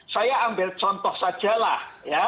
saya ambil contoh sajalah